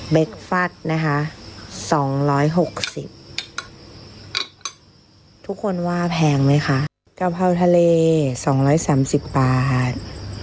เบรคฟัสนะคะ๒๖๐ทุกคนว่าแพงไหมคะกะพร้าวทะเล๒๓๐บาท